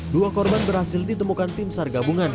dua korban berhasil ditemukan tim sar gabungan